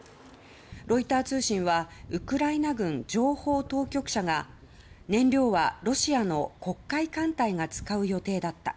ロイター通信はウクライナ軍情報当局者が燃料はロシアの黒海艦隊が使う予定だった。